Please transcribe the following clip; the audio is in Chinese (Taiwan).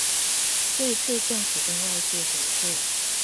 這一次政府跟外界合作